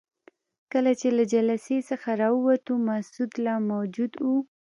کله چې له جلسې څخه راووتو مسعود لا موجود وو.